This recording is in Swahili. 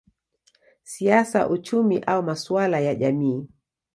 siasa, uchumi au masuala ya jamii.